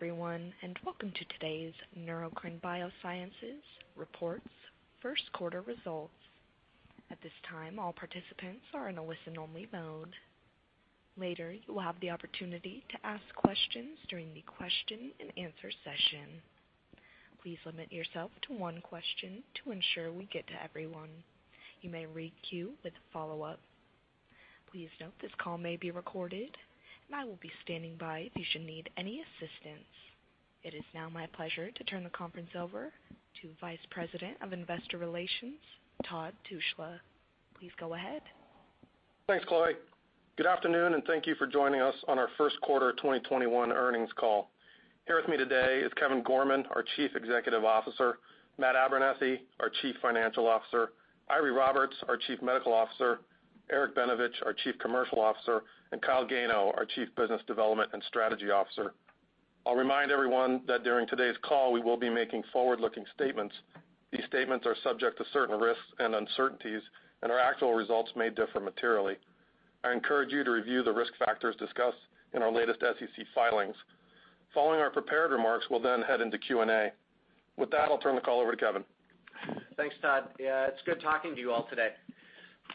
Hey everyone, and welcome to today's Neurocrine Biosciences Reports first quarter results. At this time, all participants are in a listen only mode. Later, you will have the opportunity to ask questions during the question and answer session. Please limit yourself to one question to ensure we get to everyone. You may queue with a follow-up. Please note this call may be recorded, and I will be standing by if you should need any assistance. It is now my pleasure to turn the conference over to Vice President of Investor Relations, Todd Tushla. Please go ahead. Thanks, Chloe. Good afternoon, and thank you for joining us on our first quarter 2021 earnings call. Here with me today is Kevin Gorman, our Chief Executive Officer, Matt Abernethy, our Chief Financial Officer, Eiry Roberts, our Chief Medical Officer, Eric Benevich, our Chief Commercial Officer, and Kyle Gano, our Chief Business Development and Strategy Officer. I'll remind everyone that during today's call, we will be making forward-looking statements. These statements are subject to certain risks and uncertainties, and our actual results may differ materially. I encourage you to review the risk factors discussed in our latest SEC filings. Following our prepared remarks, we'll then head into Q&A. With that, I'll turn the call over to Kevin. Thanks, Todd. Yeah, it's good talking to you all today.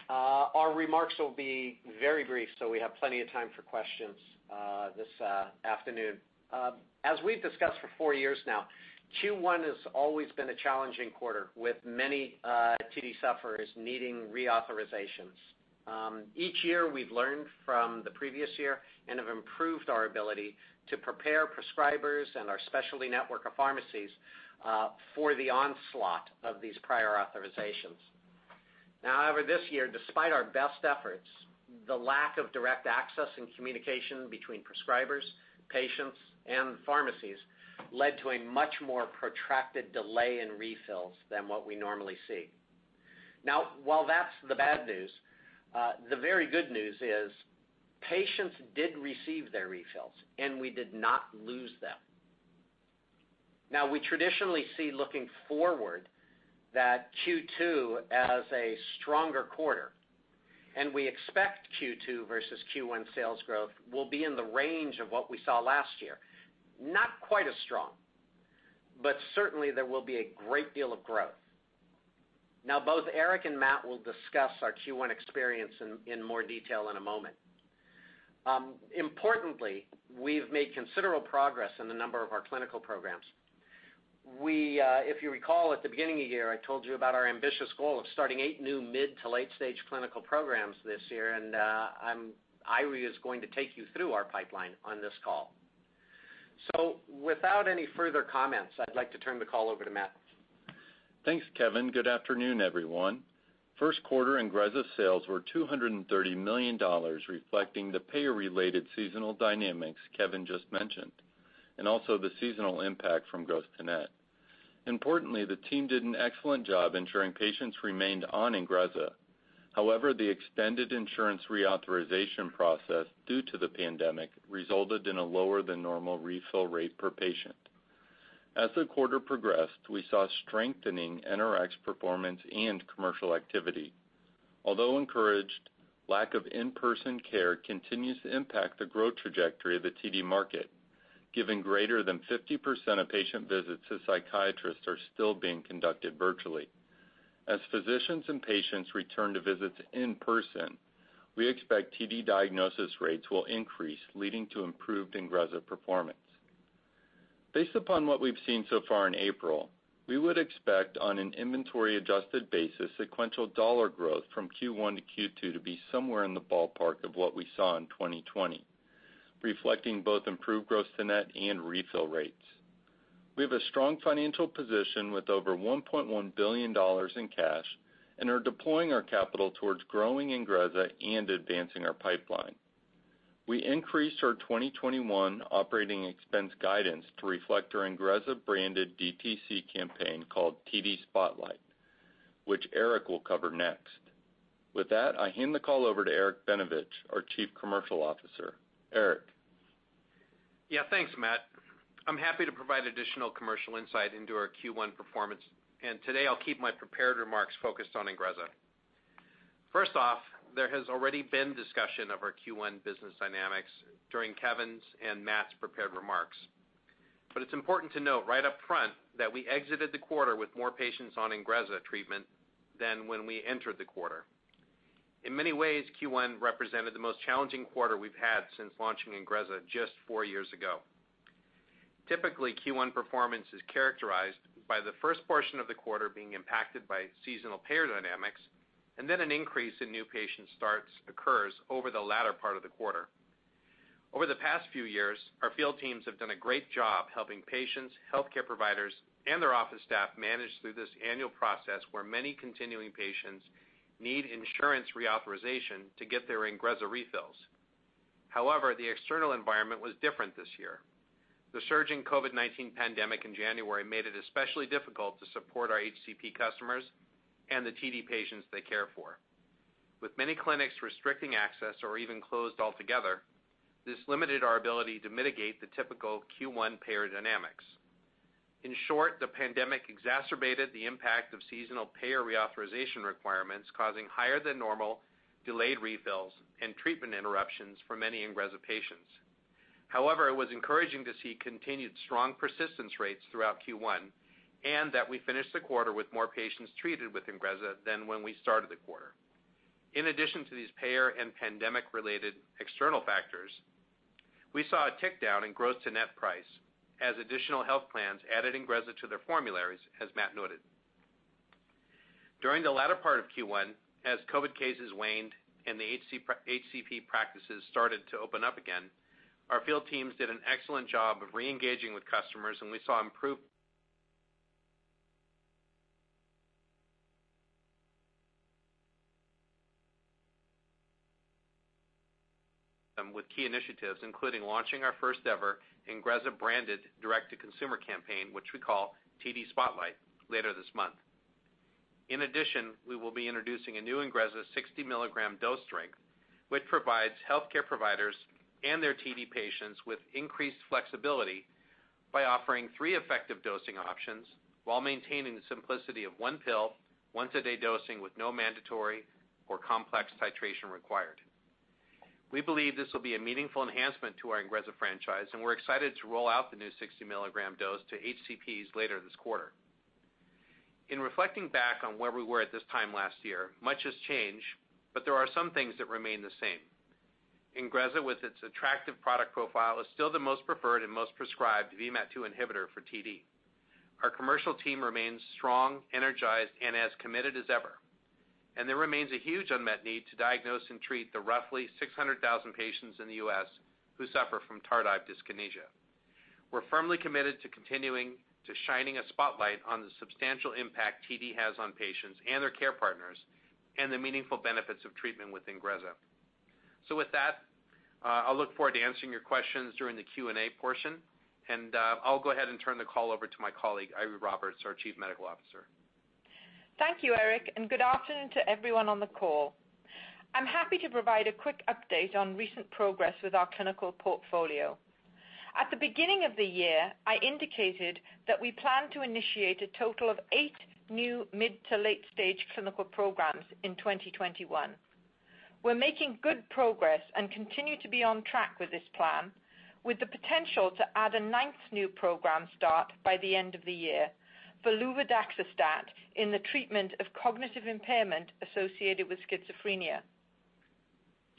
Our remarks will be very brief, so we have plenty of time for questions this afternoon. As we've discussed for four years now, Q1 has always been a challenging quarter with many TD sufferers needing reauthorizations. Each year we've learned from the previous year and have improved our ability to prepare prescribers and our specialty network of pharmacies for the onslaught of these prior authorizations. Now, however, this year, despite our best efforts, the lack of direct access and communication between prescribers, patients, and pharmacies led to a much more protracted delay in refills than what we normally see. Now, while that's the bad news, the very good news is patients did receive their refills, and we did not lose them. We traditionally see looking forward that Q2 as a stronger quarter, and we expect Q2 versus Q1 sales growth will be in the range of what we saw last year. Not quite as strong, but certainly there will be a great deal of growth. Both Eric and Matt will discuss our Q1 experience in more detail in a moment. Importantly, we've made considerable progress in a number of our clinical programs. If you recall, at the beginning of the year, I told you about our ambitious goal of starting eight new mid to late-stage clinical programs this year. Eiry is going to take you through our pipeline on this call. Without any further comments, I'd like to turn the call over to Matt. Thanks, Kevin. Good afternoon, everyone. First quarter INGREZZA sales were $230 million, reflecting the payer-related seasonal dynamics Kevin just mentioned, and also the seasonal impact from gross to net. Importantly, the team did an excellent job ensuring patients remained on INGREZZA. However, the extended insurance reauthorization process, due to the pandemic, resulted in a lower than normal refill rate per patient. As the quarter progressed, we saw strengthening NRx performance and commercial activity. Although encouraged, lack of in-person care continues to impact the growth trajectory of the TD market, given greater than 50% of patient visits to psychiatrists are still being conducted virtually. As physicians and patients return to visits in person, we expect TD diagnosis rates will increase, leading to improved INGREZZA performance. Based upon what we've seen so far in April, we would expect on an inventory-adjusted basis, sequential dollar growth from Q1 to Q2 to be somewhere in the ballpark of what we saw in 2020, reflecting both improved gross to net and refill rates. We have a strong financial position with over $1.1 billion in cash and are deploying our capital towards growing INGREZZA and advancing our pipeline. We increased our 2021 operating expense guidance to reflect our INGREZZA-branded DTC campaign called TD Spotlight, which Eric will cover next. With that, I hand the call over to Eric Benevich, our Chief Commercial Officer. Eric. Yeah. Thanks, Matt. I'm happy to provide additional commercial insight into our Q1 performance, and today I'll keep my prepared remarks focused on INGREZZA. First off, there has already been discussion of our Q1 business dynamics during Kevin's and Matt's prepared remarks. It's important to note right up front that we exited the quarter with more patients on INGREZZA treatment than when we entered the quarter. In many ways, Q1 represented the most challenging quarter we've had since launching INGREZZA just four years ago. Typically, Q1 performance is characterized by the first portion of the quarter being impacted by seasonal payer dynamics, and then an increase in new patient starts occurs over the latter part of the quarter. Over the past few years, our field teams have done a great job helping patients, healthcare providers, and their office staff manage through this annual process where many continuing patients need insurance reauthorization to get their INGREZZA refills. However, the external environment was different this year. The surging COVID-19 pandemic in January made it especially difficult to support our HCP customers and the TD patients they care for. With many clinics restricting access or even closed altogether, this limited our ability to mitigate the typical Q1 payer dynamics In short, the pandemic exacerbated the impact of seasonal payer reauthorization requirements, causing higher than normal delayed refills and treatment interruptions for many INGREZZA patients. However, it was encouraging to see continued strong persistence rates throughout Q1, and that we finished the quarter with more patients treated with INGREZZA than when we started the quarter. In addition to these payer and pandemic-related external factors, we saw a tick down in gross to net price as additional health plans added INGREZZA to their formularies, as Matt noted. During the latter part of Q1, as COVID cases waned and the HCP practices started to open up again, our field teams did an excellent job of re-engaging with customers, and we saw improved with key initiatives, including launching our first ever INGREZZA-branded direct-to-consumer campaign, which we call TD Spotlight, later this month. In addition, we will be introducing a new INGREZZA 60 mg dose strength, which provides healthcare providers and their TD patients with increased flexibility by offering three effective dosing options while maintaining the simplicity of one pill, once a day dosing with no mandatory or complex titration required. We believe this will be a meaningful enhancement to our INGREZZA franchise, and we're excited to roll out the new 60 mg dose to HCPs later this quarter. In reflecting back on where we were at this time last year, much has changed, but there are some things that remain the same. INGREZZA, with its attractive product profile, is still the most preferred and most prescribed VMAT2 inhibitor for TD. Our commercial team remains strong, energized, and as committed as ever, and there remains a huge unmet need to diagnose and treat the roughly 600,000 patients in the U.S. who suffer from tardive dyskinesia. We're firmly committed to continuing to shining a spotlight on the substantial impact TD has on patients and their care partners, and the meaningful benefits of treatment with INGREZZA. With that, I'll look forward to answering your questions during the Q&A portion. I'll go ahead and turn the call over to my colleague, Eiry Roberts, our Chief Medical Officer. Thank you, Eric, and good afternoon to everyone on the call. I'm happy to provide a quick update on recent progress with our clinical portfolio. At the beginning of the year, I indicated that we plan to initiate a total of eight new mid to late-stage clinical programs in 2021. We're making good progress and continue to be on track with this plan, with the potential to add a ninth new program start by the end of the year for luvadaxistat in the treatment of cognitive impairment associated with schizophrenia.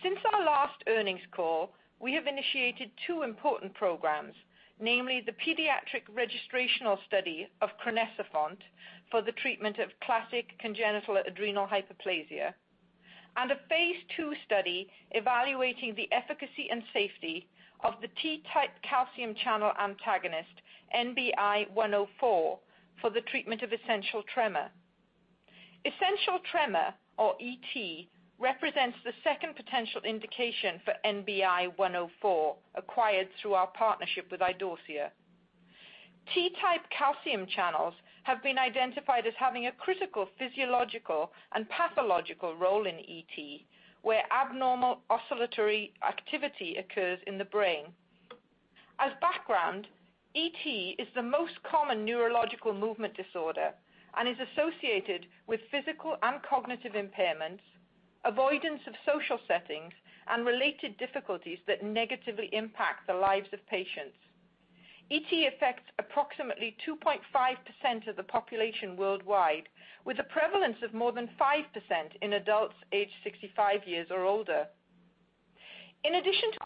Since our last earnings call, we have initiated two important programs, namely the pediatric registrational study of crinecerfont for the treatment of classic congenital adrenal hyperplasia, and a phase II study evaluating the efficacy and safety of the T-type calcium channel antagonist, NBI-104, for the treatment of essential tremor. Essential tremor, or ET, represents the second potential indication for NBI-104 acquired through our partnership with Idorsia. T-type calcium channels have been identified as having a critical physiological and pathological role in ET, where abnormal oscillatory activity occurs in the brain. As background, ET is the most common neurological movement disorder and is associated with physical and cognitive impairments, avoidance of social settings, and related difficulties that negatively impact the lives of patients. ET affects approximately 2.5% of the population worldwide, with a prevalence of more than 5% in adults aged 65 years or older. In addition to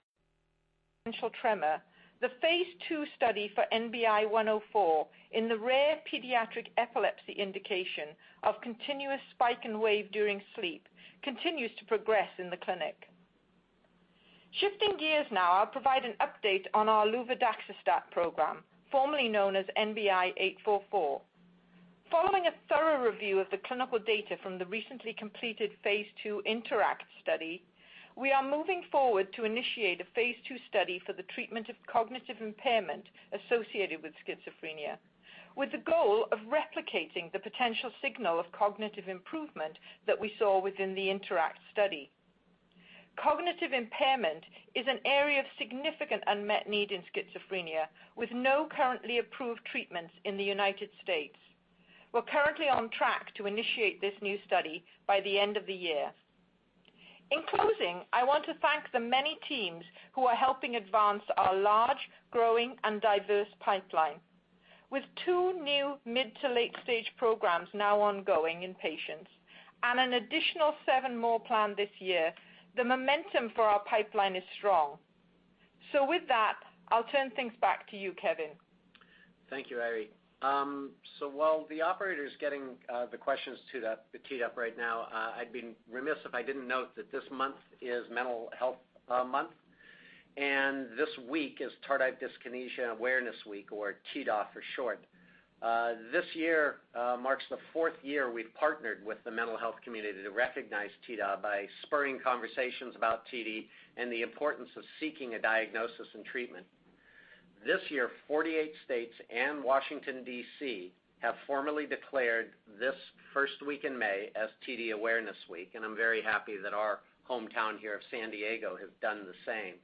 essential tremor, the phase II study for NBI-104 in the rare pediatric epilepsy indication of continuous spike and wave during sleep continues to progress in the clinic. Shifting gears now, I'll provide an update on our luvadaxistat program, formerly known as NBI-844. Following a thorough review of the clinical data from the recently completed phase II INTERACT study, we are moving forward to initiate a phase II study for the treatment of cognitive impairment associated with schizophrenia, with the goal of replicating the potential signal of cognitive improvement that we saw within the INTERACT study. Cognitive impairment is an area of significant unmet need in schizophrenia, with no currently approved treatments in the U.S. We're currently on track to initiate this new study by the end of the year. In closing, I want to thank the many teams who are helping advance our large, growing, and diverse pipeline. With two new mid to late-stage programs now ongoing in patients and an additional seven more planned this year, the momentum for our pipeline is strong. With that, I'll turn things back to you, Kevin. Thank you, Eiry. While the operator is getting the questions teed up right now, I'd be remiss if I didn't note that this month is Mental Health Month, and this week is Tardive Dyskinesia Awareness Week, or TDAW for short. This year marks the fourth year we've partnered with the mental health community to recognize TDAW by spurring conversations about TD and the importance of seeking a diagnosis and treatment. This year, 48 states and Washington, D.C., have formally declared this first week in May as TD Awareness Week, and I'm very happy that our hometown here of San Diego have done the same.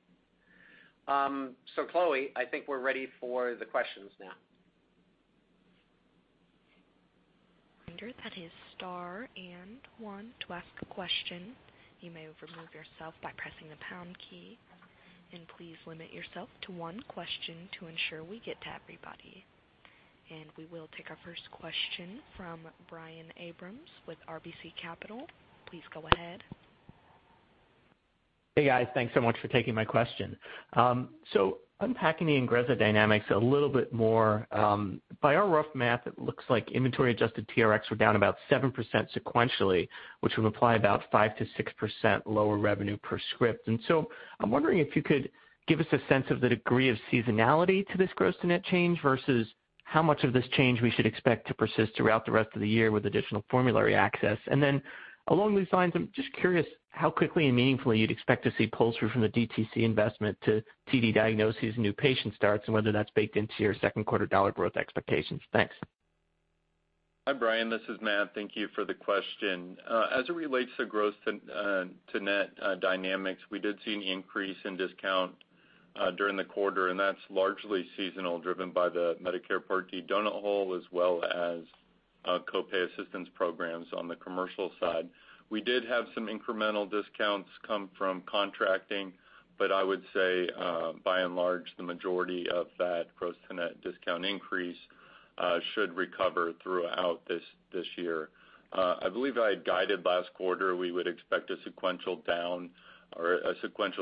Chloe, I think we're ready for the questions now. Reminder, that is star and one to ask a question. You may remove yourself by pressing the pound key, and please limit yourself to one question to ensure we get to everybody. We will take our first question from Brian Abrahams with RBC Capital. Please go ahead. Hey, guys. Thanks so much for taking my question. Unpacking the INGREZZA dynamics a little bit more, by our rough math, it looks like inventory-adjusted TRxs were down about 7% sequentially, which would imply about 5%-6% lower revenue per script. I'm wondering if you could give us a sense of the degree of seasonality to this gross to net change versus how much of this change we should expect to persist throughout the rest of the year with additional formulary access. Along these lines, I'm just curious how quickly and meaningfully you'd expect to see pull-through from the DTC investment to TD diagnoses and new patient starts, and whether that's baked into your second quarter dollar growth expectations. Thanks. Hi, Brian. This is Matt. Thank you for the question. As it relates to gross to net dynamics, we did see an increase in discount during the quarter, and that's largely seasonal, driven by the Medicare Part D donut hole, as well as co-pay assistance programs on the commercial side. I would say, by and large, the majority of that gross to net discount increase should recover throughout this year. I believe I had guided last quarter, we would expect a sequential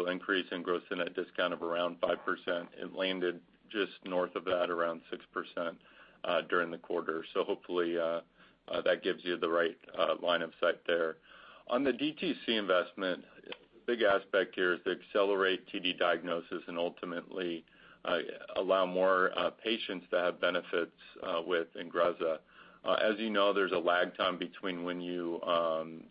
increase in gross net discount of around 5%. It landed just north of that, around 6% during the quarter. Hopefully, that gives you the right line of sight there. On the DTC investment, big aspect here is to accelerate TD diagnosis and ultimately allow more patients to have benefits with INGREZZA. As you know, there's a lag time between when you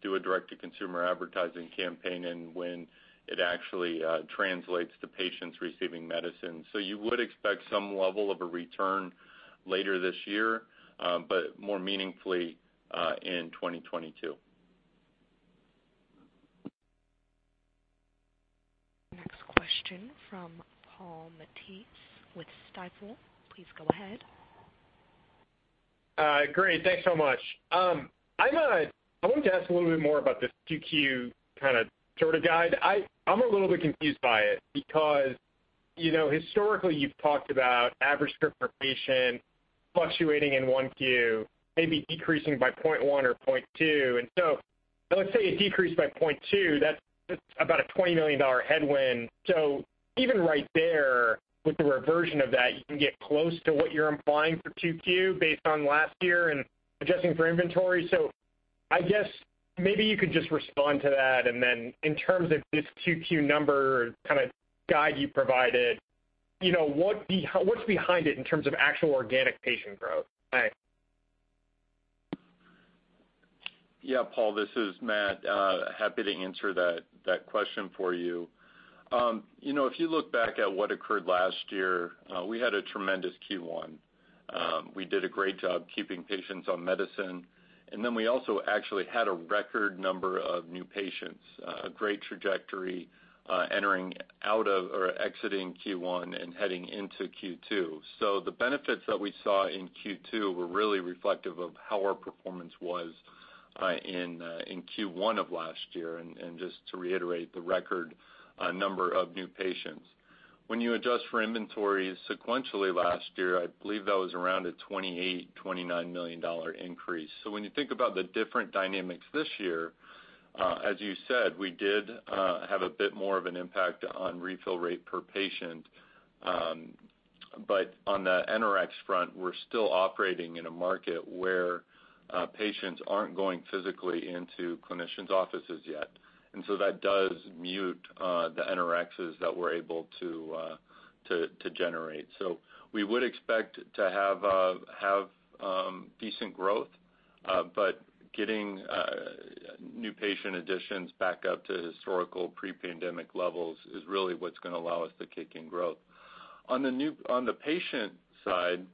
do a direct-to-consumer advertising campaign and when it actually translates to patients receiving medicine. You would expect some level of a return later this year, but more meaningfully, in 2022. Next question from Paul Matteis with Stifel. Please go ahead. Great. Thanks so much. I wanted to ask a little bit more about this 2Q sort of guide. I'm a little bit confused by it because historically you've talked about average script per patient fluctuating in 1Q, maybe decreasing by 0.1 or 0.2. Let's say it decreased by 0.2%, that's about a $20 million headwind. Even right there, with the reversion of that, you can get close to what you're implying for 2Q based on last year and adjusting for inventory. I guess maybe you could just respond to that, and then in terms of this 2Q number guide you provided, what's behind it in terms of actual organic patient growth? Thanks. Yeah, Paul, this is Matt. Happy to answer that question for you. If you look back at what occurred last year, we had a tremendous Q1. We did a great job keeping patients on medicine, we also actually had a record number of new patients, a great trajectory entering out of or exiting Q1 and heading into Q2. The benefits that we saw in Q2 were really reflective of how our performance was in Q1 of last year, just to reiterate, the record number of new patients. When you adjust for inventories sequentially last year, I believe that was around a $28 million-$29 million increase. When you think about the different dynamics this year, as you said, we did have a bit more of an impact on refill rate per patient. On the NRx front, we're still operating in a market where patients aren't going physically into clinicians' offices yet. That does mute the NRxs that we're able to generate. We would expect to have decent growth, but getting new patient additions back up to historical pre-pandemic levels is really what's going to allow us to kick in growth. On the patient side,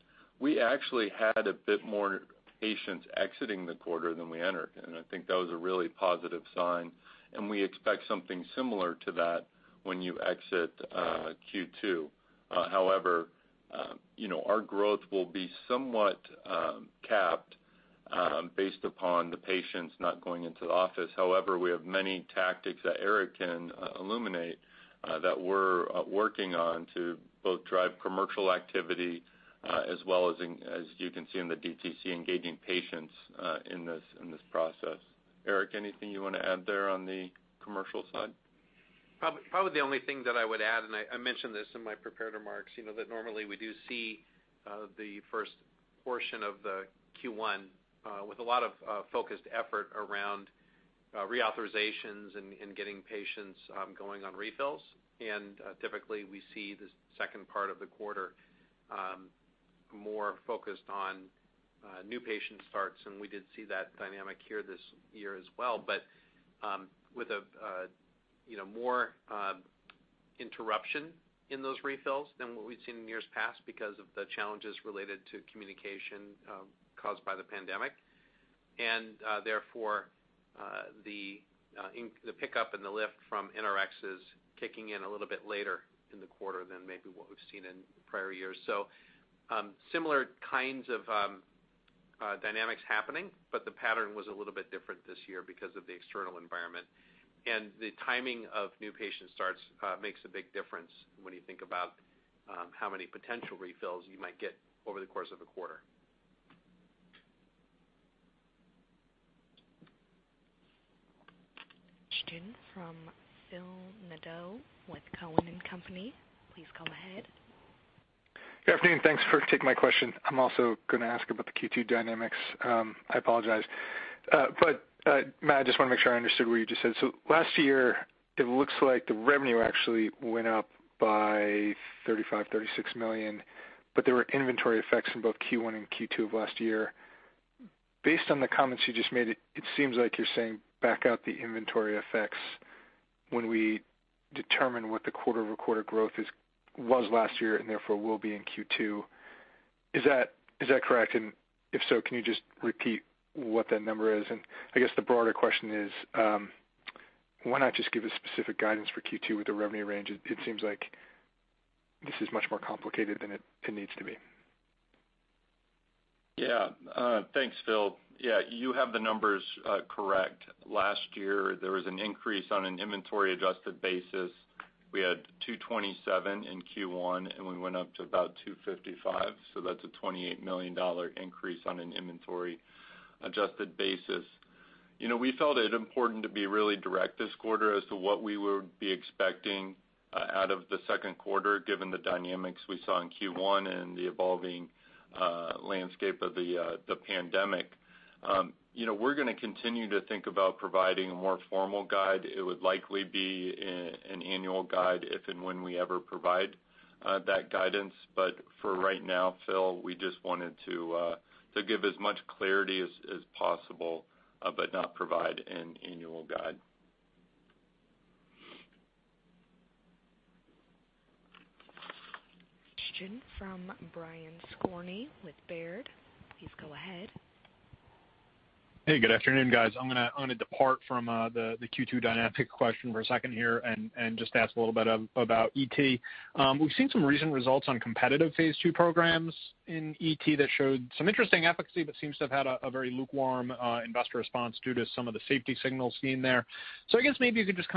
we actually had a bit more patients exiting the quarter than we entered, and I think that was a really positive sign, and we expect something similar to that when you exit Q2. However, our growth will be somewhat capped based upon the patients not going into the office. However, we have many tactics that Eric can illuminate that we're working on to both drive commercial activity as well as, you can see in the DTC, engaging patients in this process. Eric, anything you want to add there on the commercial side? Probably the only thing that I would add, and I mentioned this in my prepared remarks, that normally we do see the first portion of the Q1 with a lot of focused effort around reauthorizations and getting patients going on refills. Typically, we see the second part of the quarter more focused on new patient starts, and we did see that dynamic here this year as well. With more interruption in those refills than what we've seen in years past because of the challenges related to communication caused by the pandemic. Therefore, the pickup and the lift from NRx is kicking in a little bit later in the quarter than maybe what we've seen in prior years. Similar kinds of dynamics happening, but the pattern was a little bit different this year because of the external environment. The timing of new patient starts makes a big difference when you think about how many potential refills you might get over the course of a quarter. Question from Phil Nadeau with Cowen and Company. Please go ahead. Good afternoon. Thanks for taking my question. I'm also going to ask about the Q2 dynamics. I apologize. Matt, I just want to make sure I understood what you just said. Last year, it looks like the revenue actually went up by $35 million, $36 million, but there were inventory effects in both Q1 and Q2 of last year. Based on the comments you just made, it seems like you're saying back out the inventory effects when we determine what the quarter-over-quarter growth was last year and therefore will be in Q2. Is that correct? If so, can you just repeat what that number is? I guess the broader question is why not just give a specific guidance for Q2 with the revenue range? It seems like this is much more complicated than it needs to be. Thanks, Phil. You have the numbers correct. Last year, there was an increase on an inventory-adjusted basis. We had $227 million in Q1, and we went up to about $255 million, so that's a $28 million increase on an inventory-adjusted basis. We felt it important to be really direct this quarter as to what we would be expecting out of the second quarter, given the dynamics we saw in Q1 and the evolving landscape of the pandemic. We're going to continue to think about providing a more formal guide. It would likely be an annual guide if and when we ever provide that guidance. For right now, Phil, we just wanted to give as much clarity as possible but not provide an annual guide. Question from Brian Skorney with Baird. Please go ahead. Hey, good afternoon, guys. I'm going to depart from the Q2 dynamic question for a second here and just ask a little bit about ET. We've seen some recent results on competitive phase II programs in ET that showed some interesting efficacy but seems to have had a very lukewarm investor response due to some of the safety signals seen there. I guess maybe you could just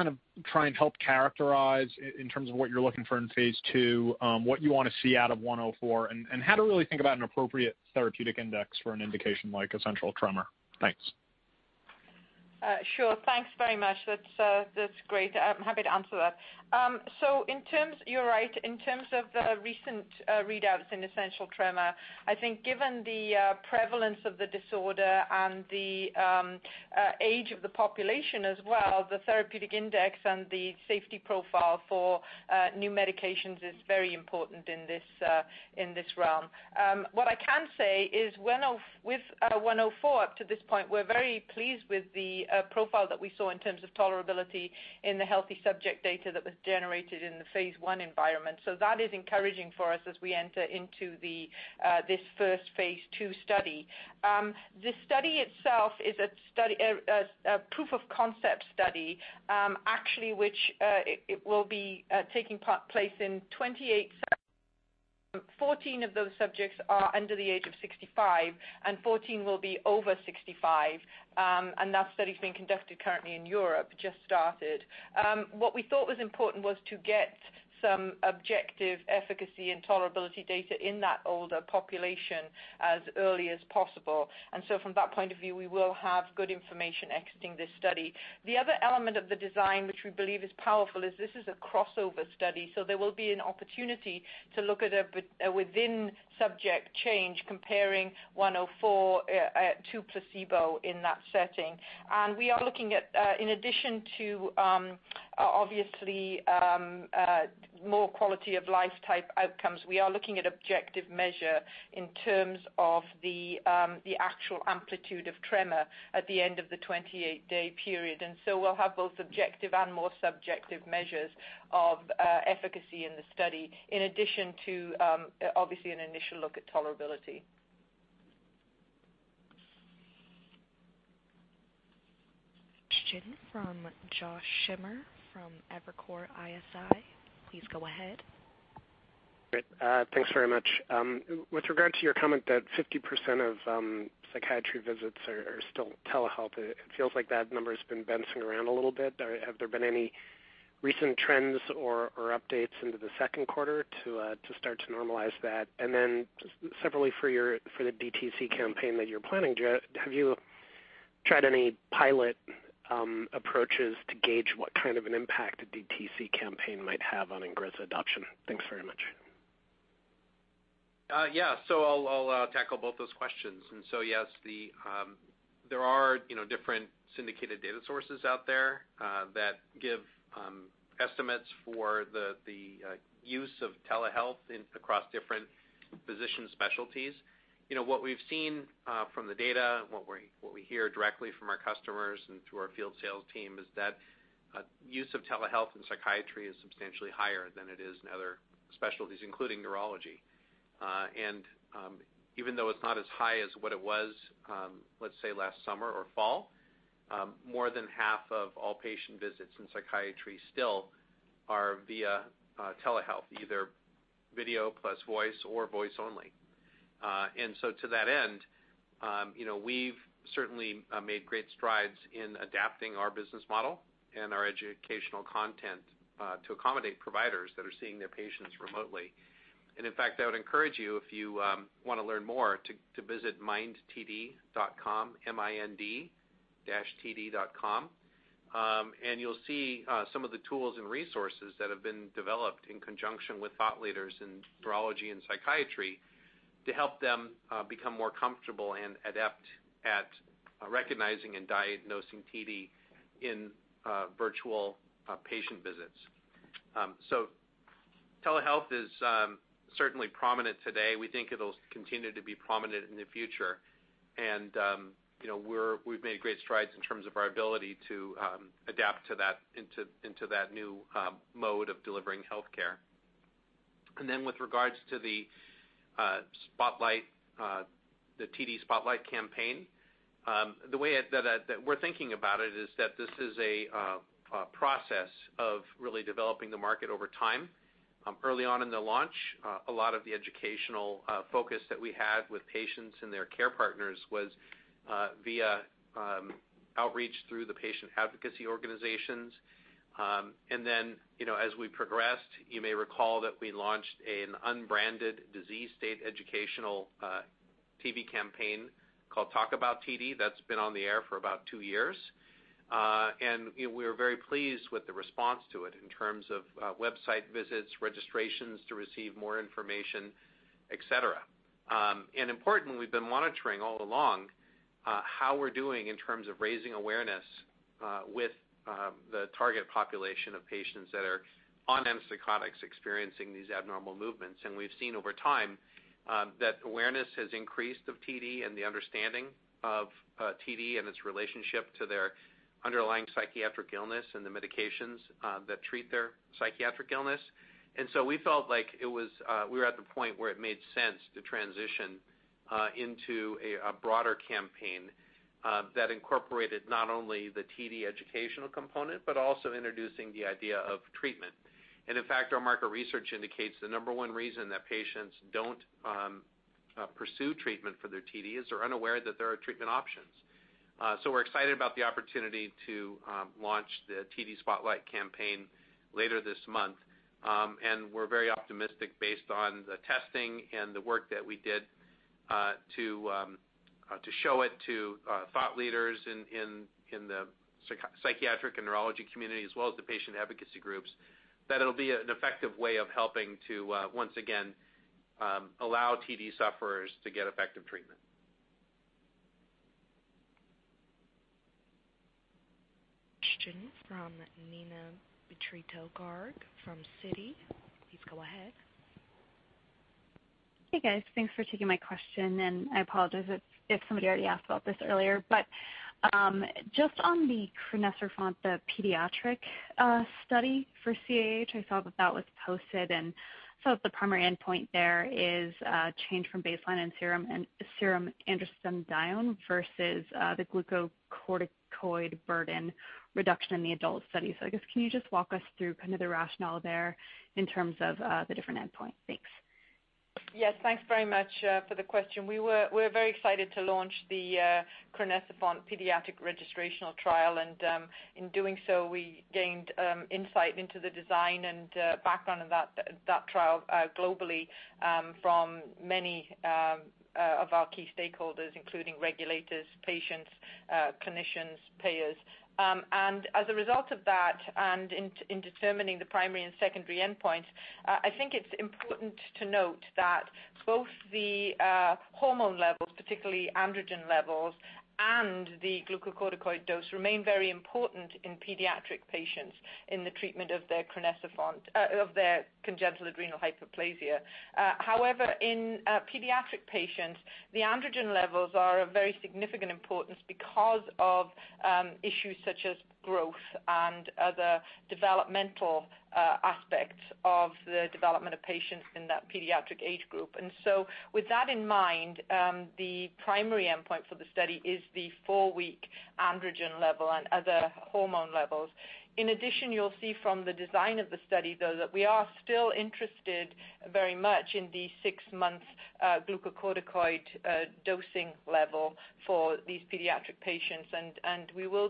try and help characterize in terms of what you're looking for in phase II, what you want to see out of NBI-104, and how to really think about an appropriate therapeutic index for an indication like essential tremor. Thanks. Sure. Thanks very much. That's great. I'm happy to answer that. You're right. In terms of the recent readouts in essential tremor, I think given the prevalence of the disorder and the age of the population as well, the therapeutic index and the safety profile for new medications is very important in this realm. What I can say is with NBI-104 up to this point, we're very pleased with the profile that we saw in terms of tolerability in the healthy subject data that was generated in the phase I environment. That is encouraging for us as we enter into this first phase II study. The study itself is a proof of concept study actually which it will be taking place in 28. 14 of those subjects are under the age of 65, and 14 will be over 65. That study is being conducted currently in Europe, just started. What we thought was important was to get some objective efficacy and tolerability data in that older population as early as possible. From that point of view, we will have good information exiting this study. The other element of the design, which we believe is powerful, is this is a crossover study. There will be an opportunity to look at a within-subject change comparing NBI-104 to placebo in that setting. In addition to obviously more quality-of-life type outcomes, we are looking at objective measure in terms of the actual amplitude of tremor at the end of the 28-day period. We'll have both objective and more subjective measures of efficacy in the study, in addition to, obviously, an initial look at tolerability. Question from Josh Schimmer from Evercore ISI. Please go ahead. Great. Thanks very much. With regard to your comment that 50% of psychiatry visits are still telehealth, it feels like that number has been bouncing around a little bit. Have there been any recent trends or updates into the second quarter to start to normalize that? Separately for the DTC campaign that you're planning, have you tried any pilot approaches to gauge what kind of an impact a DTC campaign might have on INGREZZA adoption? Thanks very much. Yeah. I'll tackle both those questions. Yes, there are different syndicated data sources out there that give estimates for the use of telehealth across different physician specialties. What we've seen from the data, what we hear directly from our customers and through our field sales team is that use of telehealth in psychiatry is substantially higher than it is in other specialties, including neurology. Even though it's not as high as what it was, let's say last summer or fall, more than half of all patient visits in psychiatry still are via telehealth, either video plus voice or voice only. To that end, we've certainly made great strides in adapting our business model and our educational content to accommodate providers that are seeing their patients remotely. In fact, I would encourage you, if you want to learn more, to visit mind-td.com, M-I-N-D-TD.com, and you'll see some of the tools and resources that have been developed in conjunction with thought leaders in neurology and psychiatry to help them become more comfortable and adept at recognizing and diagnosing TD in virtual patient visits. Telehealth is certainly prominent today. We think it'll continue to be prominent in the future. We've made great strides in terms of our ability to adapt into that new mode of delivering healthcare. With regards to the TD Spotlight campaign, the way that we're thinking about it is that this is a process of really developing the market over time. Early on in the launch, a lot of the educational focus that we had with patients and their care partners was via outreach through the patient advocacy organizations. As we progressed, you may recall that we launched an unbranded disease state educational TV campaign called Talk About TD. That's been on the air for about two years. We are very pleased with the response to it in terms of website visits, registrations to receive more information, et cetera. Importantly, we've been monitoring all along how we're doing in terms of raising awareness with the target population of patients that are on antipsychotics experiencing these abnormal movements. We've seen over time that awareness has increased of TD and the understanding of TD and its relationship to their underlying psychiatric illness and the medications that treat their psychiatric illness. We felt like we were at the point where it made sense to transition into a broader campaign that incorporated not only the TD educational component, but also introducing the idea of treatment. In fact, our market research indicates the number one reason that patients don't pursue treatment for their TD is they're unaware that there are treatment options. We're excited about the opportunity to launch the TD Spotlight campaign later this month, and we're very optimistic based on the testing and the work that we did to show it to thought leaders in the psychiatric and neurology community, as well as the patient advocacy groups, that it'll be an effective way of helping to, once again, allow TD sufferers to get effective treatment. Question from Neena Bitritto-Garg from Citi. Please go ahead. Hey, guys. Thanks for taking my question. I apologize if somebody already asked about this earlier. Just on the crinecerfont, the pediatric study for CAH, I saw that was posted and saw that the primary endpoint there is change from baseline and serum androstenedione versus the glucocorticoid burden reduction in the adult study. I guess, can you just walk us through kind of the rationale there in terms of the different endpoint? Thanks. Yes. Thanks very much for the question. We're very excited to launch the crinecerfont pediatric registrational trial. In doing so, we gained insight into the design and background of that trial globally from many of our key stakeholders, including regulators, patients, clinicians, payers. As a result of that and in determining the primary and secondary endpoints, I think it's important to note that both the hormone levels, particularly androgen levels and the glucocorticoid dose, remain very important in pediatric patients in the treatment of their congenital adrenal hyperplasia. However, in pediatric patients, the androgen levels are of very significant importance because of issues such as growth and other developmental aspects of the development of patients in that pediatric age group. With that in mind, the primary endpoint for the study is the four-week androgen level and other hormone levels. You'll see from the design of the study, though, that we are still interested very much in the six-month glucocorticoid dosing level for these pediatric patients. We will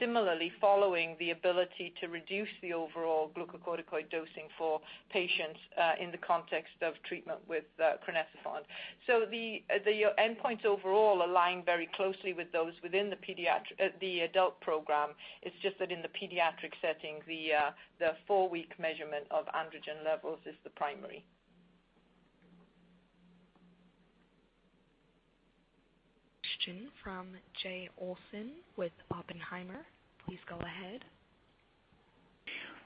be similarly following the ability to reduce the overall glucocorticoid dosing for patients in the context of treatment with crinecerfont. The endpoints overall align very closely with those within the adult program. It's just that in the pediatric setting, the four-week measurement of androgen levels is the primary. Question from Jay Olson with Oppenheimer. Please go ahead.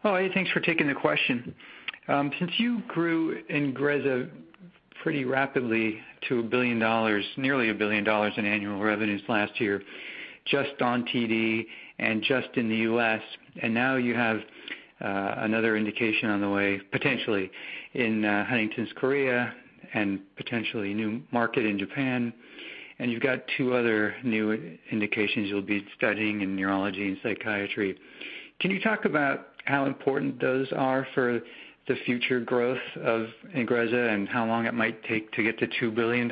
Hi. Thanks for taking the question. Since you grew INGREZZA pretty rapidly to nearly $1 billion in annual revenues last year. Just on TD and just in the U.S., and now you have another indication on the way, potentially in Huntington's chorea and potentially a new market in Japan, and you've got two other new indications you'll be studying in neurology and psychiatry. Can you talk about how important those are for the future growth of INGREZZA and how long it might take to get to $2 billion?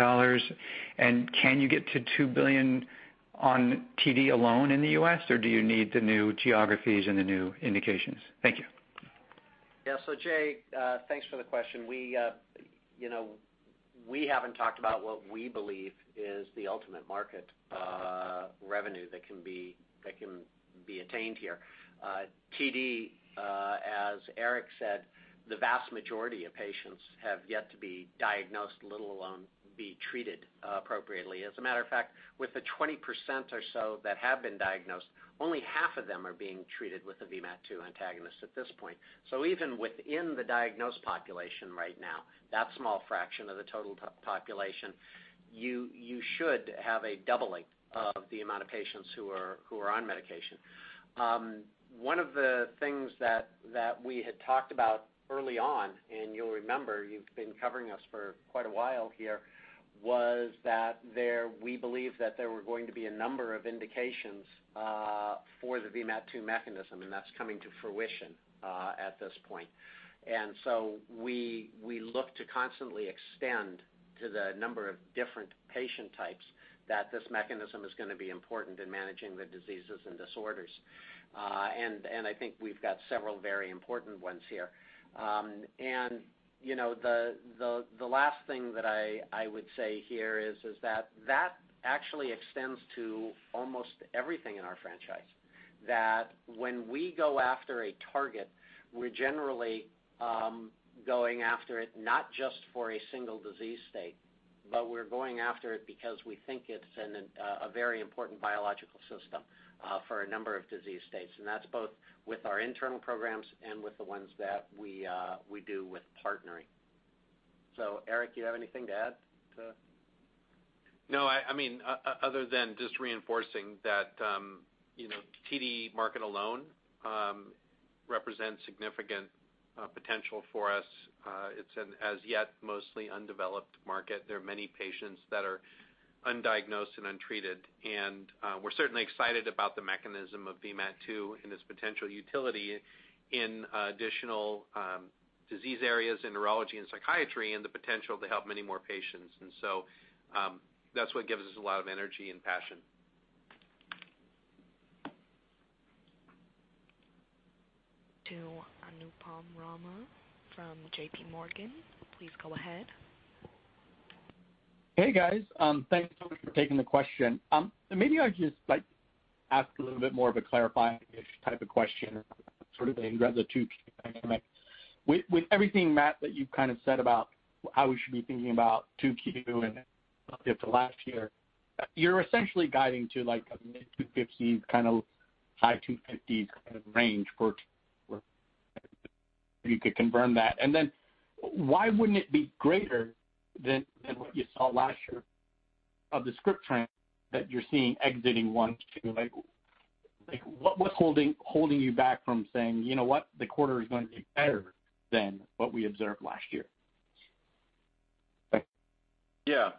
Can you get to $2 billion on TD alone in the U.S., or do you need the new geographies and the new indications? Thank you. Yeah. Jay, thanks for the question. We haven't talked about what we believe is the ultimate market revenue that can be attained here. TD, as Eric said, the vast majority of patients have yet to be diagnosed, let alone be treated appropriately. As a matter of fact, with the 20% or so that have been diagnosed, only half of them are being treated with a VMAT2 antagonist at this point. Even within the diagnosed population right now, that small fraction of the total population, you should have a doubling of the amount of patients who are on medication. One of the things that we had talked about early on, and you'll remember, you've been covering us for quite a while here, was that we believe that there were going to be a number of indications for the VMAT2 mechanism, and that's coming to fruition at this point. We look to constantly extend to the number of different patient types that this mechanism is going to be important in managing the diseases and disorders. I think we've got several very important ones here. The last thing that I would say here is that actually extends to almost everything in our franchise. That when we go after a target, we're generally going after it not just for a single disease state, but we're going after it because we think it's in a very important biological system for a number of disease states. That's both with our internal programs and with the ones that we do with partnering. Eric, you have anything to add to? No, other than just reinforcing that TD market alone represents significant potential for us. It's an as yet mostly undeveloped market. There are many patients that are undiagnosed and untreated. We're certainly excited about the mechanism of VMAT2 and its potential utility in additional disease areas in neurology and psychiatry, and the potential to help many more patients. That's what gives us a lot of energy and passion. To Anupam Rama from JPMorgan. Please go ahead. Hey, guys. Thanks so much for taking the question. Maybe I'll just ask a little bit more of a clarifying-ish type of question, sort of the INGREZZA 2Q dynamic. With everything, Matt, that you've said about how we should be thinking about 2Q and relative to last year, you're essentially guiding to a mid $250 million, kind of high $250 million kind of range for Q2. If you could confirm that. Why wouldn't it be greater than what you saw last year of the script trend that you're seeing exiting one to two? What's holding you back from saying, "You know what? The quarter is going to be better than what we observed last year." Thanks. Yeah.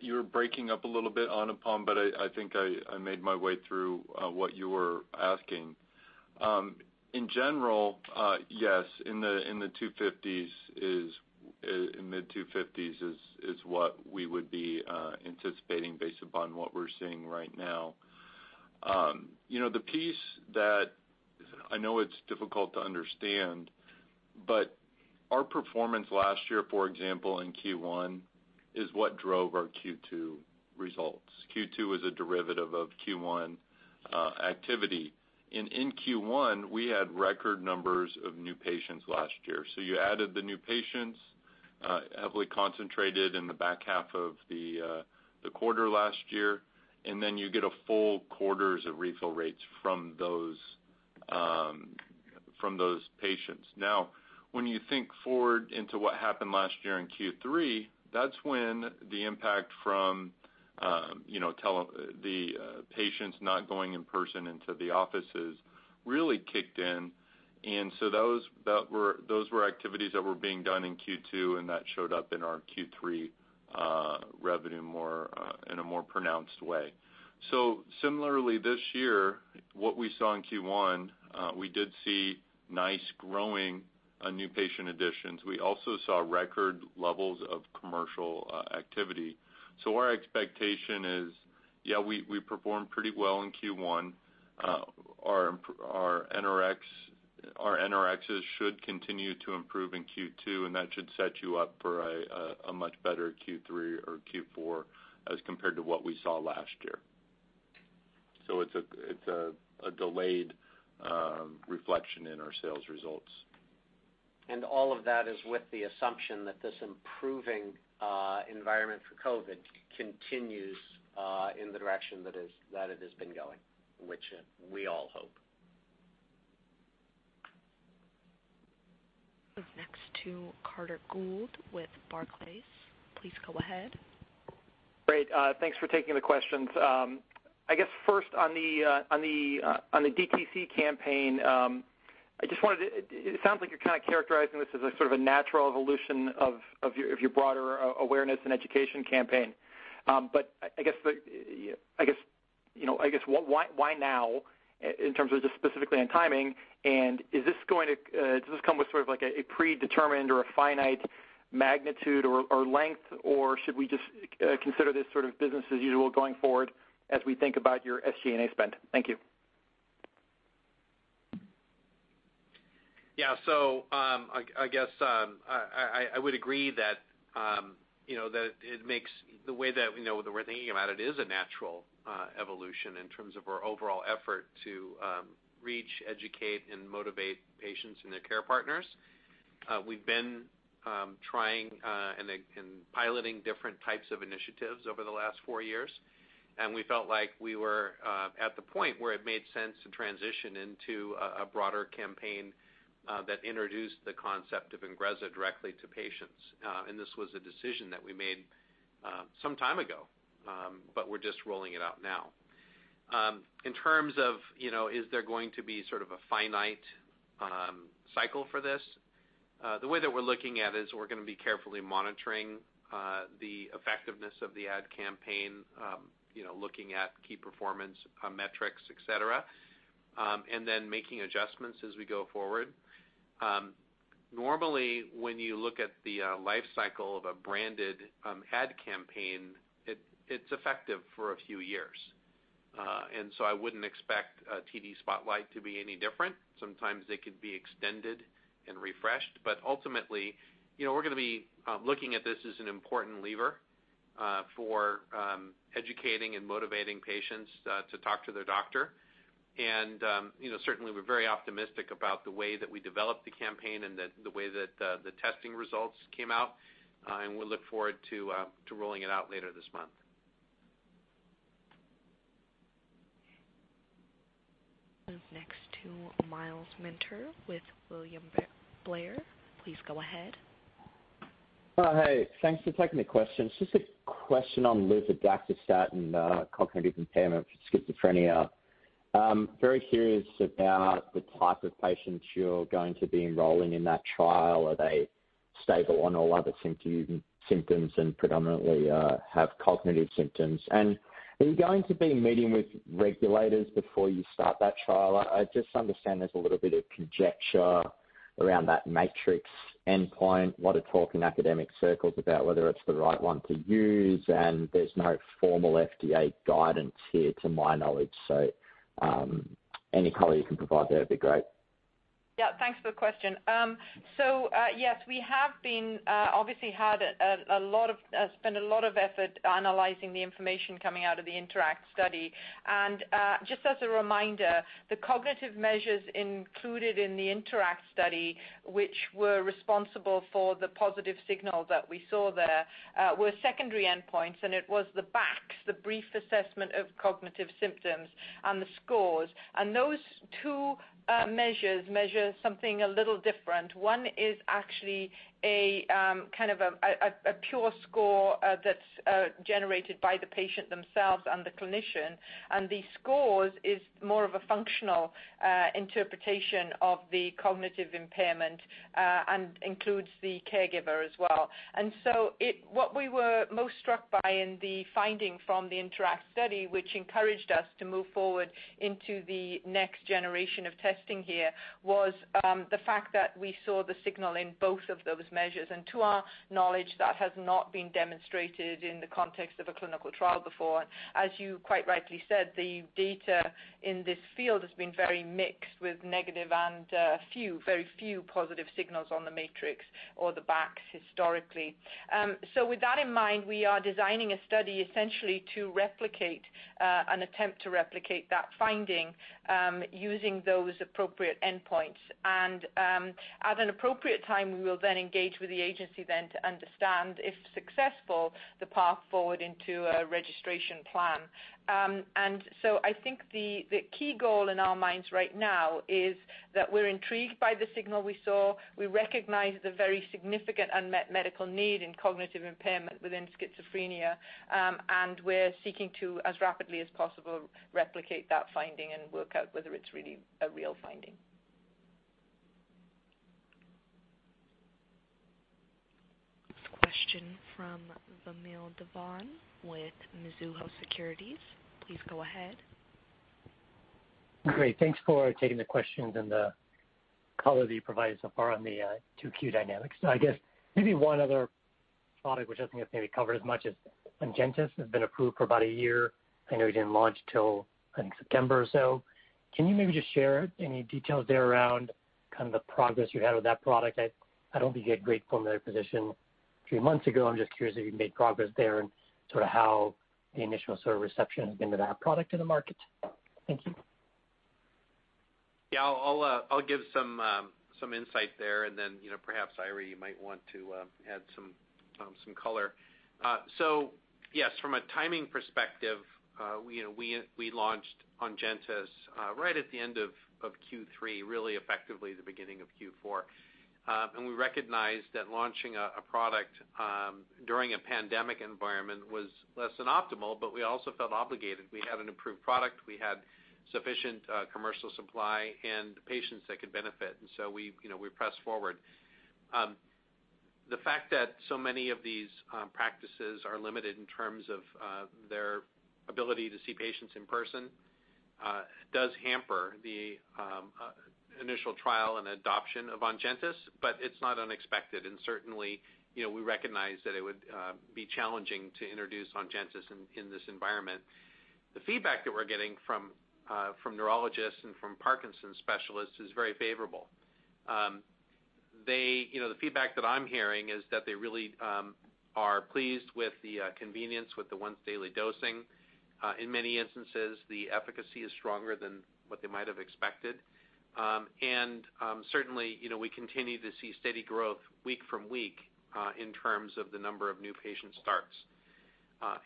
You were breaking up a little bit, Anupam, but I think I made my way through what you were asking. In general, yes, in the mid $250s million is what we would be anticipating based upon what we're seeing right now. The piece that I know it's difficult to understand, but our performance last year, for example, in Q1, is what drove our Q2 results. Q2 is a derivative of Q1 activity. In Q1, we had record numbers of new patients last year. You added the new patients, heavily concentrated in the back half of the quarter last year, and then you get a full quarters of refill rates from those patients. Now, when you think forward into what happened last year in Q3, that's when the impact from the patients not going in person into the offices really kicked in. Those were activities that were being done in Q2 and that showed up in our Q3 revenue in a more pronounced way. Similarly, this year, what we saw in Q1, we did see nice growing new patient additions. We also saw record levels of commercial activity. Our expectation is, yeah, we performed pretty well in Q1. Our NRxs should continue to improve in Q2, and that should set you up for a much better Q3 or Q4 as compared to what we saw last year. It's a delayed reflection in our sales results. All of that is with the assumption that this improving environment for COVID continues in the direction that it has been going, which we all hope. Move next to Carter Gould with Barclays. Please go ahead. Great. Thanks for taking the questions. I guess first on the DTC campaign, it sounds like you're kind of characterizing this as a sort of a natural evolution of your broader awareness and education campaign. But I guess, why now, in terms of just specifically on timing, and does this come with sort of a predetermined or a finite magnitude or length, or should we just consider this business as usual going forward as we think about your SG&A spend? Thank you. Yeah. I guess, I would agree that the way that we're thinking about it is a natural evolution in terms of our overall effort to reach, educate and motivate patients and their care partners. We've been trying and piloting different types of initiatives over the last four years, and we felt like we were at the point where it made sense to transition into a broader campaign that introduced the concept of INGREZZA directly to patients. This was a decision that we made some time ago, but we're just rolling it out now. In terms of, is there going to be sort of a finite cycle for this? The way that we're looking at it is we're going to be carefully monitoring the effectiveness of the ad campaign, looking at key performance metrics, et cetera, and then making adjustments as we go forward. Normally, when you look at the life cycle of a branded ad campaign, it's effective for a few years. I wouldn't expect TD Spotlight to be any different. Sometimes they could be extended and refreshed. Ultimately, we're going to be looking at this as an important lever for educating and motivating patients to talk to their doctor. Certainly, we're very optimistic about the way that we developed the campaign and the way that the testing results came out. We look forward to rolling it out later this month. Move next to Myles Minter with William Blair. Please go ahead. Hey. Thanks for taking the question. Just a question on luvadaxistat and cognitive impairment for schizophrenia. I'm very curious about the type of patients you're going to be enrolling in that trial. Are they stable on all other symptoms and predominantly have cognitive symptoms? Are you going to be meeting with regulators before you start that trial? I just understand there's a little bit of conjecture around that MATRICS endpoint. A lot of talk in academic circles about whether it's the right one to use, and there's no formal FDA guidance here, to my knowledge. Any color you can provide there would be great. Yeah. Thanks for the question. Yes, we have obviously spent a lot of effort analyzing the information coming out of the INTERACT study. Just as a reminder, the cognitive measures included in the INTERACT study, which were responsible for the positive signal that we saw there, were secondary endpoints, and it was the BACS, the Brief Assessment of Cognition in Schizophrenia, and the SCoRES. Those two measures, measure something a little different. One is actually a kind of a pure score that's generated by the patient themselves and the clinician. The SCoRES is more of a functional interpretation of the cognitive impairment and includes the caregiver as well. What we were most struck by in the finding from the INTERACT study, which encouraged us to move forward into the next generation of testing here, was the fact that we saw the signal in both of those measures, and to our knowledge, that has not been demonstrated in the context of a clinical trial before. As you quite rightly said, the data in this field has been very mixed, with negative and very few positive signals on the MATRICS or the BACS historically. With that in mind, we are designing a study essentially to replicate an attempt to replicate that finding using those appropriate endpoints. At an appropriate time, we will then engage with the agency then to understand, if successful, the path forward into a registration plan. I think the key goal in our minds right now is that we're intrigued by the signal we saw. We recognize the very significant unmet medical need in cognitive impairment within schizophrenia. We're seeking to, as rapidly as possible, replicate that finding and work out whether it's really a real finding. Next question from Vamil Divan with Mizuho Securities. Please go ahead. Great. Thanks for taking the questions and the color that you provided so far on the 2Q dynamics. I guess maybe one other product which I think is maybe covered as much is ONGENTYS, has been approved for about one year. I know you didn't launch till, I think September or so. Can you maybe just share any details there around kind of the progress you had with that product? I don't think you had great formulary position a few months ago. I'm just curious if you've made progress there and sort of how the initial sort of reception has been to that product in the market. Thank you. Yeah, I'll give some insight there and then perhaps, Eiry, you might want to add some color. Yes, from a timing perspective, we launched ONGENTYS right at the end of Q3, really effectively the beginning of Q4. We recognized that launching a product during a pandemic environment was less than optimal, but we also felt obligated. We had an approved product, we had sufficient commercial supply, and patients that could benefit, and so we pressed forward. The fact that so many of these practices are limited in terms of their ability to see patients in person does hamper the initial trial and adoption of ONGENTYS, but it's not unexpected. Certainly, we recognize that it would be challenging to introduce ONGENTYS in this environment. The feedback that we're getting from neurologists and from Parkinson's specialists is very favorable. The feedback that I'm hearing is that they really are pleased with the convenience, with the once-daily dosing. In many instances, the efficacy is stronger than what they might have expected. Certainly, we continue to see steady growth week from week in terms of the number of new patient starts.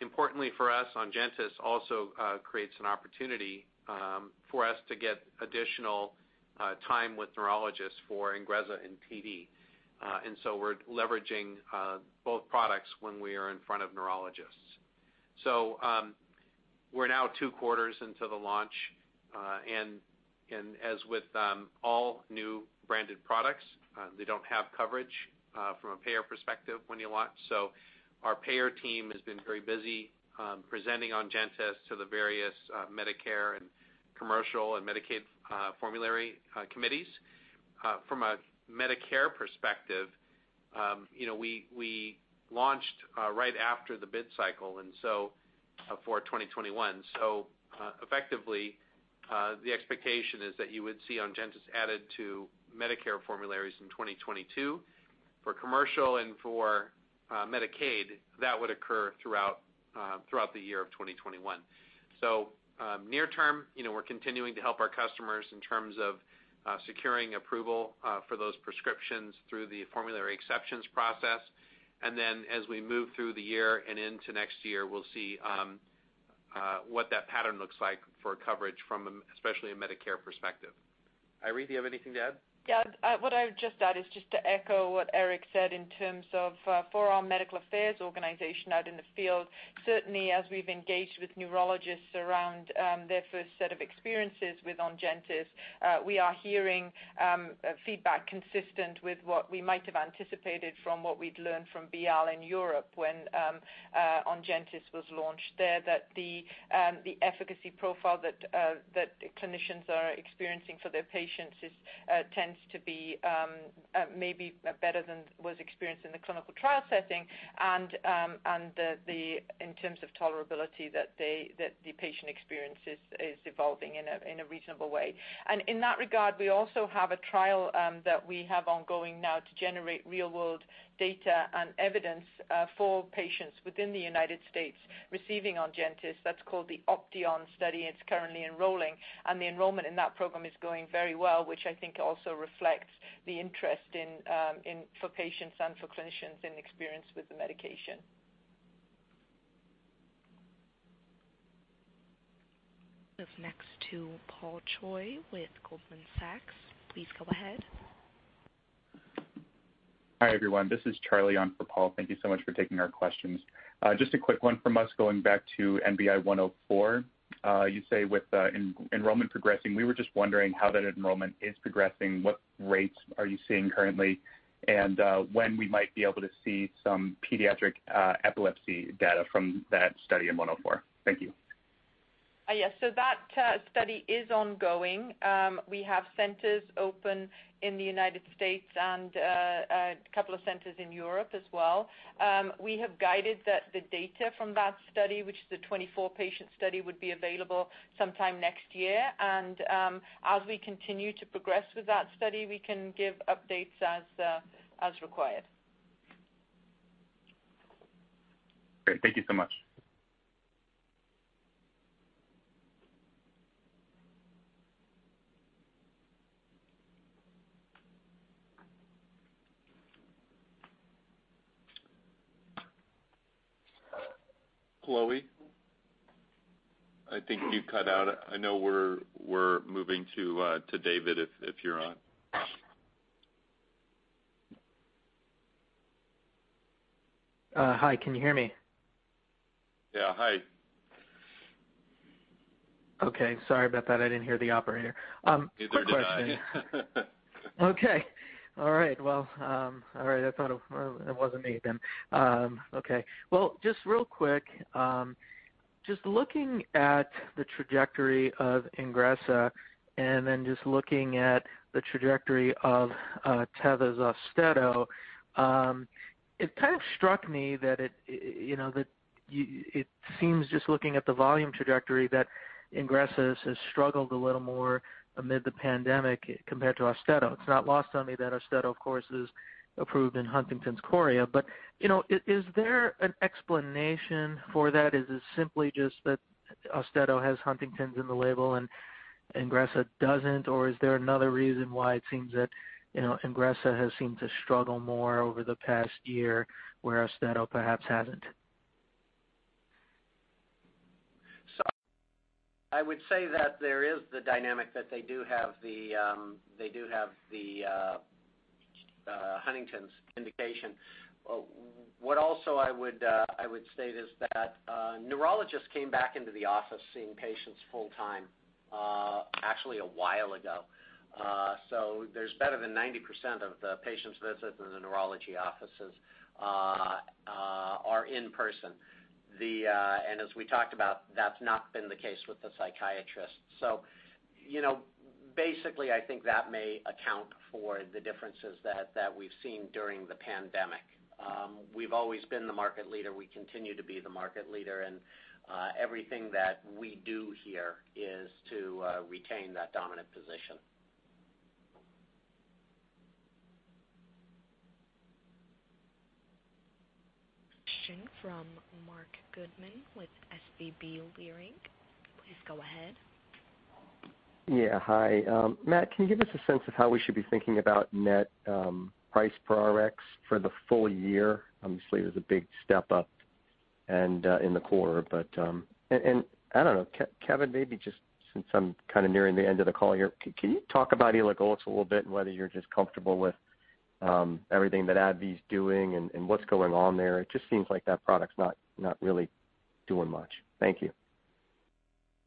Importantly for us, ONGENTYS also creates an opportunity for us to get additional time with neurologists for INGREZZA and PD. We're leveraging both products when we are in front of neurologists. We're now two quarters into the launch. As with all new branded products, they don't have coverage from a payer perspective when you launch. Our payer team has been very busy presenting ONGENTYS to the various Medicare and commercial and Medicaid formulary committees. From a Medicare perspective, we launched right after the bid cycle for 2021. Effectively, the expectation is that you would see ONGENTYS added to Medicare formularies in 2022. For commercial and for Medicaid, that would occur throughout the year of 2021. Near term, we're continuing to help our customers in terms of securing approval for those prescriptions through the formulary exceptions process. As we move through the year and into next year, we'll see what that pattern looks like for coverage from especially a Medicare perspective. Eiry, do you have anything to add? Yeah. What I would just add is just to echo what Eric said in terms of for our medical affairs organization out in the field. Certainly, as we've engaged with neurologists around their first set of experiences with ONGENTYS, we are hearing feedback consistent with what we might have anticipated from what we'd learned from BIAL in Europe when ONGENTYS was launched there, that the efficacy profile that the clinicians are experiencing for their patients tends to be maybe better than was experienced in the clinical trial setting. In terms of tolerability that the patient experience is evolving in a reasonable way. In that regard, we also have a trial that we have ongoing now to generate real-world data and evidence for patients within the United States receiving ONGENTYS. That's called the OPTI-ON Study, and it's currently enrolling. The enrollment in that program is going very well, which I think also reflects the interest for patients and for clinicians in experience with the medication. This next to Paul Choi with Goldman Sachs. Please go ahead. Hi, everyone. This is Charlie on for Paul. Thank you so much for taking our questions. Just a quick one from us going back to NBI-104. You say with enrollment progressing. We were just wondering how that enrollment is progressing, what rates are you seeing currently, and when we might be able to see some pediatric epilepsy data from that study in NBI-104. Thank you. Yes. That study is ongoing. We have centers open in the U.S. and a couple of centers in Europe as well. We have guided that the data from that study, which is a 24-patient study, would be available sometime next year. As we continue to progress with that study, we can give updates as required. Great. Thank you so much. Chloe? I think you cut out. I know we're moving to David if you're on. Hi, can you hear me? Yeah. Hi. Okay. Sorry about that. I didn't hear the operator. Neither did I. Quick question. I thought it wasn't me then. Just real quick. Just looking at the trajectory of INGREZZA and then just looking at the trajectory of Teva's AUSTEDO, it kind of struck me that it seems just looking at the volume trajectory that INGREZZA has struggled a little more amid the pandemic compared to AUSTEDO. It's not lost on me that AUSTEDO of course is approved in Huntington's chorea. Is there an explanation for that? Is it simply just that AUSTEDO has Huntington's in the label and INGREZZA doesn't? Is there another reason why it seems that INGREZZA has seemed to struggle more over the past year whereas AUSTEDO perhaps hasn't? I would say that there is the dynamic that they do have the Huntington's indication. What also I would state is that neurologists came back into the office seeing patients full time, actually a while ago. There's better than 90% of the patient's visits in the neurology offices are in person. As we talked about, that's not been the case with the psychiatrist. Basically I think that may account for the differences that we've seen during the pandemic. We've always been the market leader, we continue to be the market leader and everything that we do here is to retain that dominant position. Question from Marc Goodman with SVB Leerink. Please go ahead. Yeah, hi. Matt, can you give us a sense of how we should be thinking about net price per TRx for the full year? Obviously, there's a big step up in the quarter, but I don't know, Kevin, maybe just since I'm kind of nearing the end of the call here, can you talk about elagolix a little bit and whether you're just comfortable with everything that AbbVie's doing and what's going on there? It just seems like that product's not really doing much. Thank you.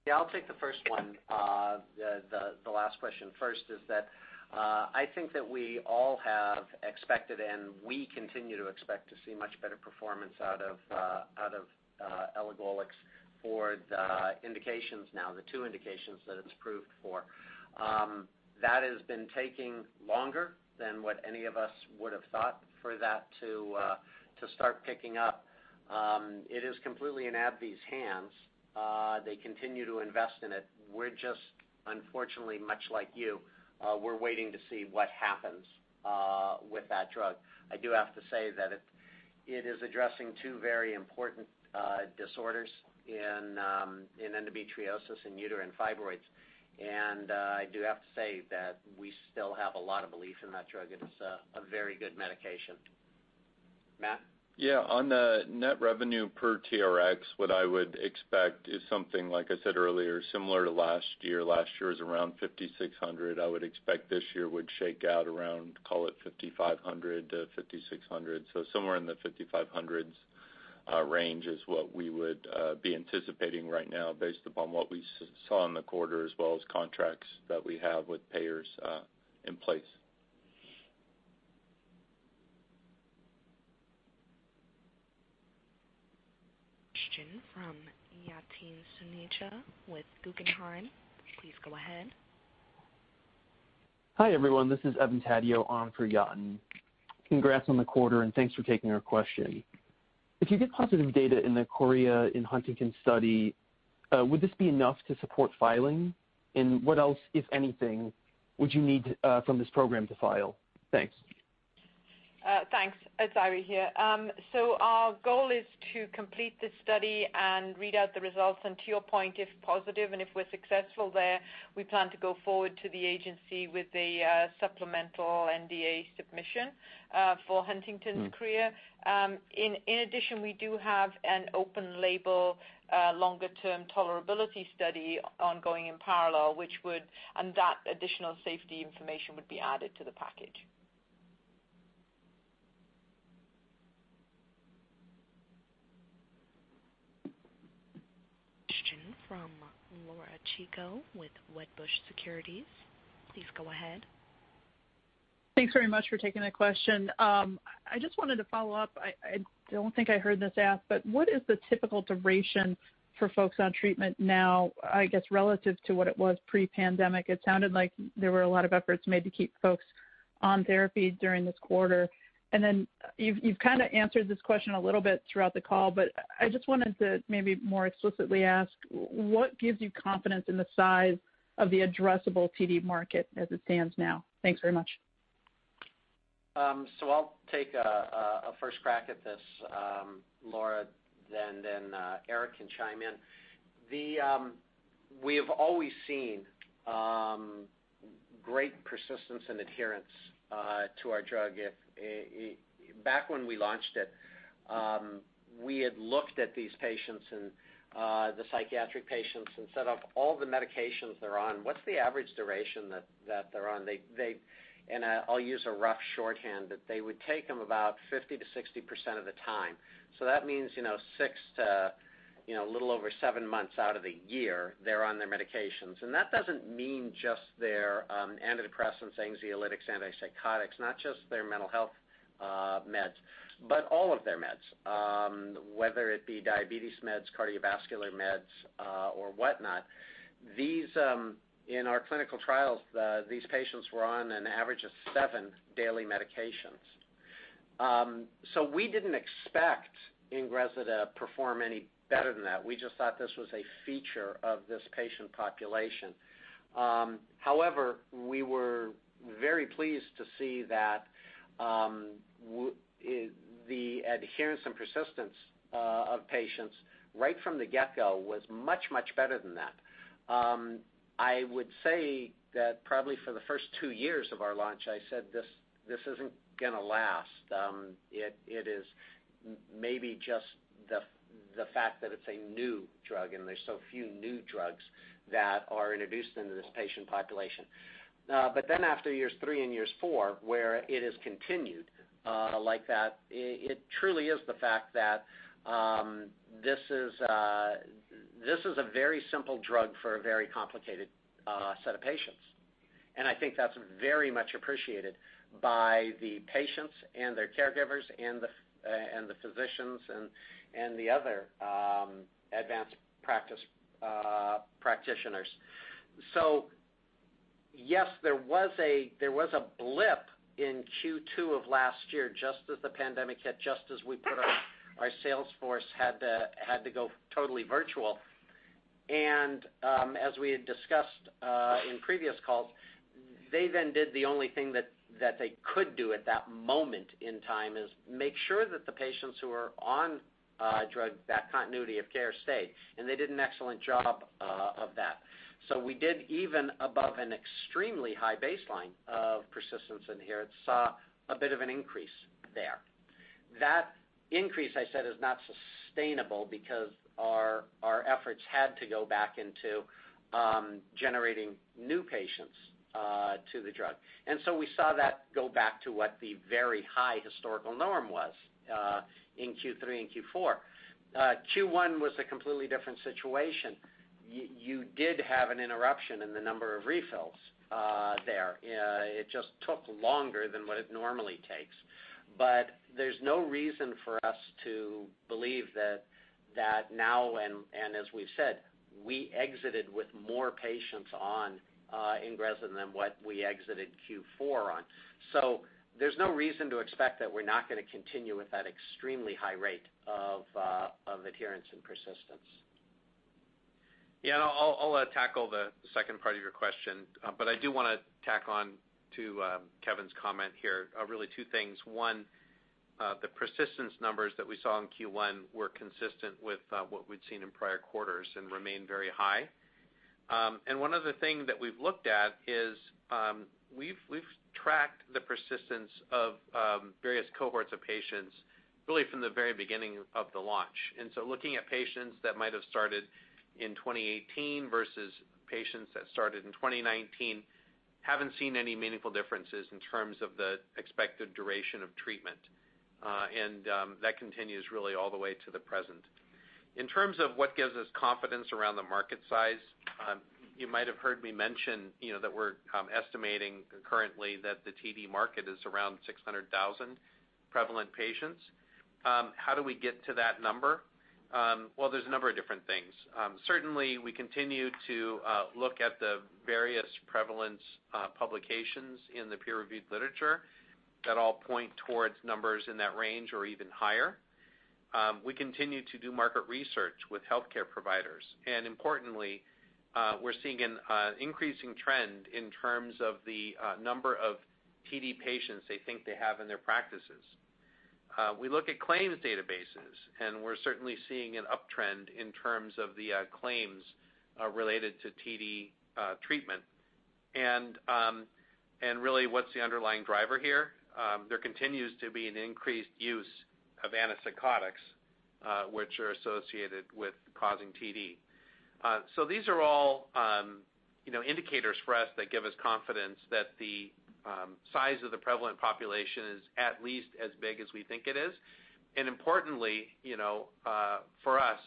Yeah, I'll take the first one. The last question first is that, I think that we all have expected, and we continue to expect to see much better performance out of elagolix for the indications now, the two indications that it's approved for. That has been taking longer than what any of us would've thought for that to start picking up. It is completely in AbbVie's hands. They continue to invest in it. We're just, unfortunately much like you, we're waiting to see what happens with that drug. I do have to say that it is addressing two very important disorders in endometriosis and uterine fibroids. I do have to say that we still have a lot of belief in that drug. It's a very good medication. Matt? Yeah, on the net revenue per TRx, what I would expect is something like I said earlier, similar to last year. Last year was around $5,600. I would expect this year would shake out around, call it $5,500-$5,600. So somewhere in the $5,500s range is what we would be anticipating right now based upon what we saw in the quarter, as well as contracts that we have with payers in place. Question from Yatin Suneja with Guggenheim. Please go ahead. Hi everyone, this is Evan on for Yatin. Congrats on the quarter and thanks for taking our question. If you get positive data in the chorea in Huntington study, would this be enough to support filing? What else, if anything, would you need from this program to file? Thanks. Thanks. It's Eiry here. Our goal is to complete this study and read out the results. To your point, if positive and if we're successful there, we plan to go forward to the agency with a supplemental NDA submission for Huntington's chorea. In addition, we do have an open label, longer term tolerability study ongoing in parallel, and that additional safety information would be added to the package. Question from Laura Chico with Wedbush Securities. Please go ahead. Thanks very much for taking the question. I just wanted to follow up, I don't think I heard this asked, but what is the typical duration for folks on treatment now, I guess relative to what it was pre-pandemic? It sounded like there were a lot of efforts made to keep folks on therapy during this quarter. You've kind of answered this question a little bit throughout the call, but I just wanted to maybe more explicitly ask what gives you confidence in the size of the addressable TD market as it stands now? Thanks very much. I'll take a first crack at this, Laura, then Eric can chime in. We have always seen great persistence and adherence to our drug. Back when we launched it, we had looked at these patients and the psychiatric patients and said of all the medications they're on, what's the average duration that they're on? I'll use a rough shorthand that they would take them about 50%-60% of the time. That means six to a little over seven months out of the year they're on their medications. That doesn't mean just their antidepressants, anxiolytics, antipsychotics, not just their mental health meds, but all of their meds. Whether it be diabetes meds, cardiovascular meds, or whatnot. In our clinical trials, these patients were on an average of seven daily medications. We didn't expect INGREZZA to perform any better than that. We just thought this was a feature of this patient population. We were very pleased to see that the adherence and persistence of patients right from the get-go was much, much better than that. I would say that probably for the first two years of our launch, I said, "This isn't going to last." It is maybe just the fact that it's a new drug and there's so few new drugs that are introduced into this patient population. After years three and years four, where it has continued like that, it truly is the fact that this is a very simple drug for a very complicated set of patients. I think that's very much appreciated by the patients and their caregivers and the physicians and the other advanced practitioners. Yes, there was a blip in Q2 of last year, just as the pandemic hit, just as our sales force had to go totally virtual. As we had discussed in previous calls, they did the only thing that they could do at that moment in time, is make sure that the patients who are on drug, that continuity of care stayed, and they did an excellent job of that. We did even above an extremely high baseline of persistence and adherence and saw a bit of an increase there. That increase, I said, is not sustainable because our efforts had to go back into generating new patients to the drug. We saw that go back to what the very high historical norm was in Q3 and Q4. Q1 was a completely different situation. You did have an interruption in the number of refills there. It just took longer than what it normally takes. There's no reason for us to believe that now and as we've said, we exited with more patients on INGREZZA than what we exited Q4 on. There's no reason to expect that we're not going to continue with that extremely high rate of adherence and persistence. Yeah, I'll tackle the second part of your question. I do want to tack on to Kevin's comment here, really two things. One, the persistence numbers that we saw in Q1 were consistent with what we'd seen in prior quarters and remain very high. One other thing that we've looked at is we've tracked the persistence of various cohorts of patients really from the very beginning of the launch. Looking at patients that might have started in 2018 versus patients that started in 2019, haven't seen any meaningful differences in terms of the expected duration of treatment. That continues really all the way to the present. In terms of what gives us confidence around the market size, you might have heard me mention that we're estimating currently that the TD market is around 600,000 prevalent patients. How do we get to that number? Well, there's a number of different things. Certainly, we continue to look at the various prevalence publications in the peer-reviewed literature that all point towards numbers in that range or even higher. We continue to do market research with healthcare providers. Importantly, we're seeing an increasing trend in terms of the number of TD patients they think they have in their practices. We look at claims databases. We're certainly seeing an uptrend in terms of the claims related to TD treatment. Really, what's the underlying driver here? There continues to be an increased use of antipsychotics, which are associated with causing TD. These are all indicators for us that give us confidence that the size of the prevalent population is at least as big as we think it is. Importantly, for us,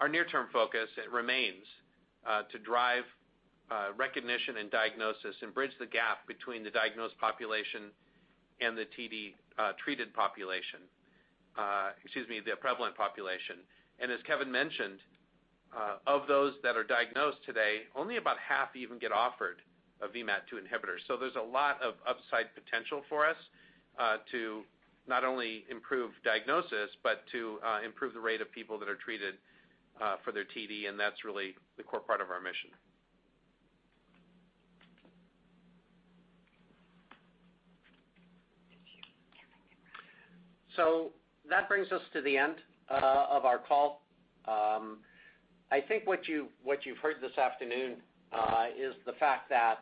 our near-term focus remains to drive recognition and diagnosis and bridge the gap between the diagnosed population and the TD-treated population. Excuse me, the prevalent population. As Kevin mentioned, of those that are diagnosed today, only about half even get offered a VMAT2 inhibitor. There's a lot of upside potential for us to not only improve diagnosis, but to improve the rate of people that are treated for their TD, and that's really the core part of our mission. That brings us to the end of our call. I think what you've heard this afternoon is the fact that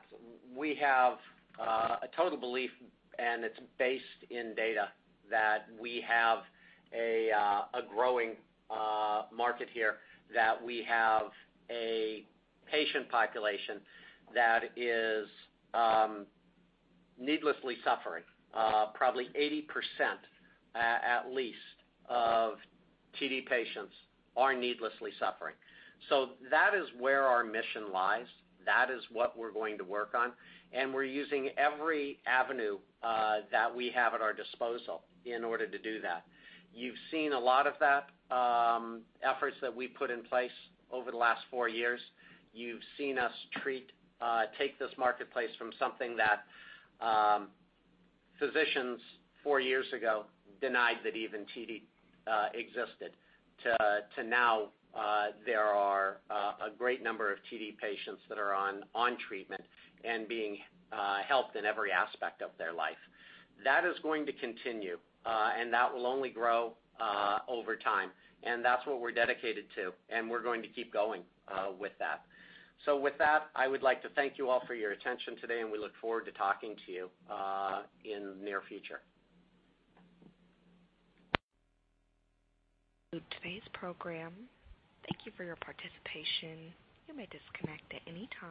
we have a total belief, and it's based in data, that we have a growing market here, that we have a patient population that is needlessly suffering. Probably 80%, at least, of TD patients are needlessly suffering. That is where our mission lies. That is what we're going to work on, and we're using every avenue that we have at our disposal in order to do that. You've seen a lot of that, efforts that we've put in place over the last four years. You've seen us take this marketplace from something that physicians four years ago denied that even TD existed to now there are a great number of TD patients that are on treatment and being helped in every aspect of their life. That is going to continue, and that will only grow over time. That's what we're dedicated to, and we're going to keep going with that. With that, I would like to thank you all for your attention today, and we look forward to talking to you in the near future. That concludes today's program. Thank you for your participation. You may disconnect at any time.